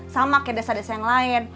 sama kayak desa desa yang lain